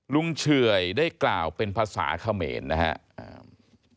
เฉื่อยได้กล่าวเป็นภาษาเขมรนะครับ